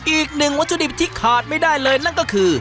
อีกหนึ่งวัตถุดิบที่ขาดไม่ได้เลยนั่นก็คือ